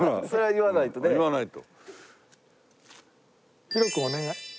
言わないと。